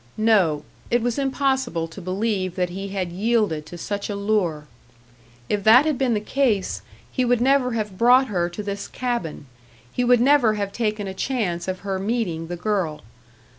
No, it was impossible to believe that he had yielded to such a lure! If that had been the case, he would never have brought her to this cabin, he would never have taken a chance of her meeting the girl.